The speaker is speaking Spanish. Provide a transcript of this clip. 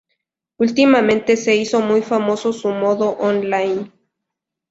Últimamente se hizo muy famoso su modo Online.